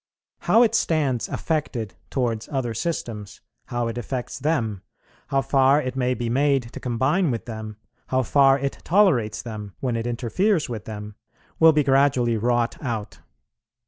How it stands affected towards other systems, how it affects them, how far it may be made to combine with them, how far it tolerates them, when it interferes with them, will be gradually wrought out.